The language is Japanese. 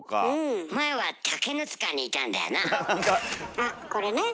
あっこれね。